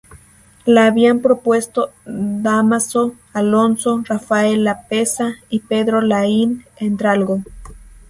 La habían propuesto Dámaso Alonso, Rafael Lapesa y Pedro Laín Entralgo.